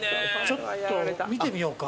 ちょっと見てみようか。